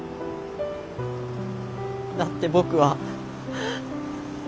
だって僕は。